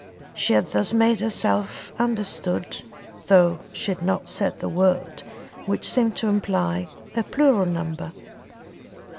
She had thus made herself understood, though she had not said the word which seemed to imply a plural number.